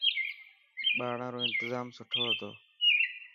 ٻاڙان رو انتظام سٺو هتو.